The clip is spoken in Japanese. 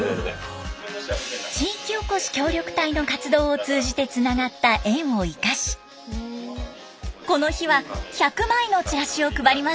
地域おこし協力隊の活動を通じてつながった縁を生かしこの日は１００枚のチラシを配りました。